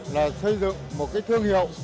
là xây dựng một thương hiệu